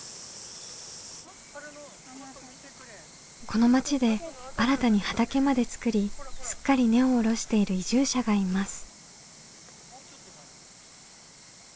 この町で新たに畑まで作りすっかり根を下ろしている移住者がいます。